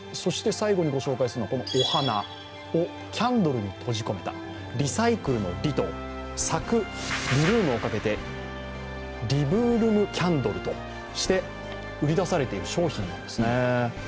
最後にご紹介するのはお花をキャンドルに閉じ込めたリサイクルのリと咲く、ブルームをかけてリブルームキャンドルとして、売り出されている商品なんです。